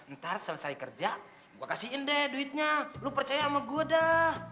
ntar selesai kerja gue kasihin deh duitnya lu percaya sama gue deh